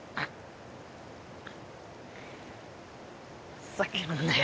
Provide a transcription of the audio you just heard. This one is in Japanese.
ふざけんなよ